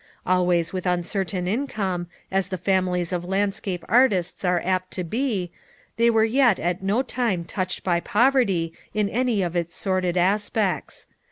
Always with uncertain income, as the families of landscape artists are apt to be, they were yet at no time touched by pov 120 FOUR MOTHERS AT CHAUTAUQUA erty in any of its sordid aspects.